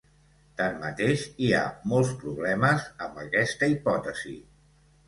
Tanmateix, hi ha molts problemes amb aquesta hipòtesi.